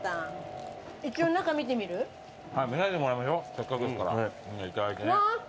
せっかくですからいただいてね。